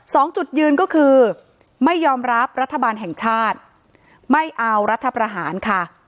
สองจุดยืนก็คือไม่ยอมรับรัฐบาลแห่งชาติไม่เอารัฐประหารค่ะ